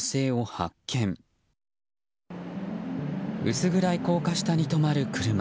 薄暗い高架下に止まる車。